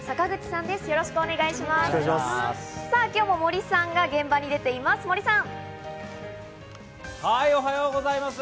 さぁ、今日も森さんが現場に出ています、森さん。